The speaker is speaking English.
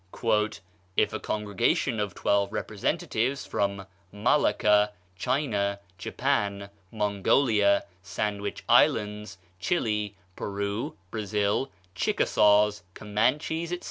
"If a congregation of twelve representatives from Malacca, China, Japan, Mongolia, Sandwich Islands, Chili, Peru, Brazil, Chickasaws, Comanches, etc.